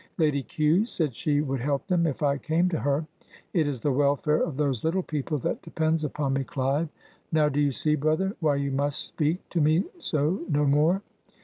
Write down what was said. Lady Kew said she would help them if I came to her — it is the welfare of those little people that depends upon me, Clive. Now do you see, brother, why you must speak to me so no more?